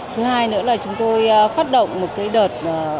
thứ hai nữa là chúng tôi phát động một cái đợt